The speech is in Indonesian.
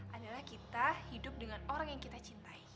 adalah kita hidup dengan orang yang kita cintai